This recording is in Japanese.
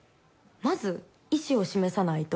まず、意思を示さないと。